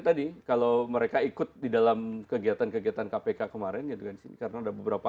tadi kalau mereka ikut di dalam kegiatan kegiatan kpk kemarin gitu kan disini karena ada beberapa